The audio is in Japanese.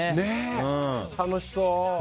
楽しそう！